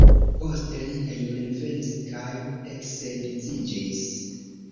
Poste li hejmenvenis kaj eksedziĝis.